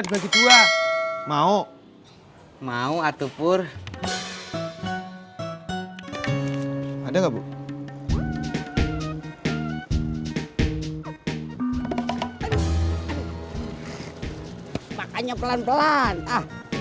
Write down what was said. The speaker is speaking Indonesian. dibagi dua mau mau atuh pur ada nggak bu makanya pelan pelan ah